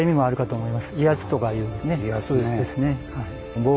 はい。